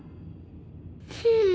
うん。